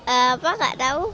apa gak tau